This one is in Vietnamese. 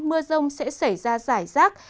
mưa rông sẽ xảy ra rải rác